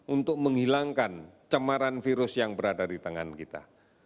untuk menghilangkan cemaran virus yang berada di tangan kita